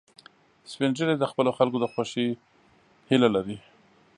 سپین ږیری د خپلو خلکو د خوښۍ هیله لري